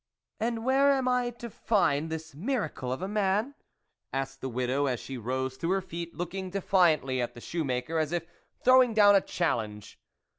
" And where am I to find this miracle of a man ?" asked the widow, as she rose to her feet, looking defiantly at the shoe maker, as if throwing down a challenge.